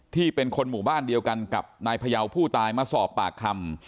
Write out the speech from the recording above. ที่เป็นคนหมู่บ้านเดียวกันกับนายพยาวผู้ตายมาสอบปากคำ